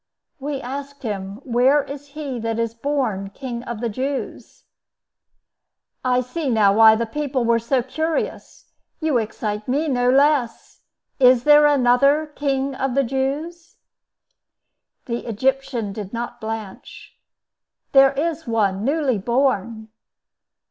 "We asked him, Where is he that is born King of the Jews." "I see now why the people were so curious. You excite me no less. Is there another King of the Jews?" The Egyptian did not blanch. "There is one newly born."